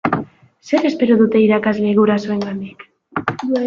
Zer espero dute irakasleek gurasoengandik?